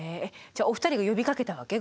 じゃあお二人が呼びかけたわけ？